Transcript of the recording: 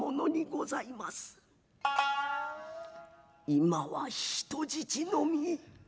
今は人質の身。